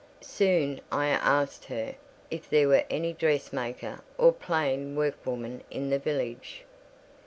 Soon I asked her "if there were any dressmaker or plain workwoman in the village?"